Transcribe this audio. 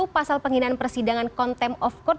pasal penghinaan persidangan contempt of court